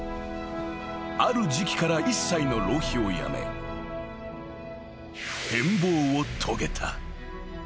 ［ある時期から一切の浪費をやめ変貌を遂げた］